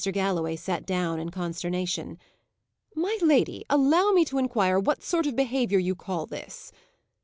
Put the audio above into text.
Galloway sat down in consternation. "My lady, allow me to inquire what sort of behaviour you call this?"